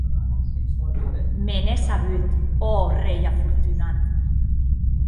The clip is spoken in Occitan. Me n’è sabut, ò rei afortunat!